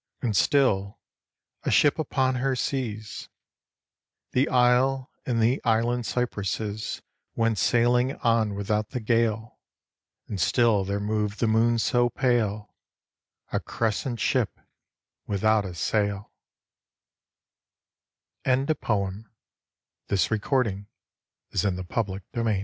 And still, a ship upon her seas. The isle and the island cypresses Went sailing on without the gale : And still there moved the moon so pale, A crescent ship without a sail ' I7S Oak and Olive \ Though I was born a Lo